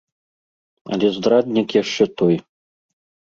Але здраднік яшчэ той.